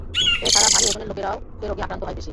এ ছাড়া ভারী ওজনের লোকেরা এ রোগে আক্রান্ত হয় বেশি।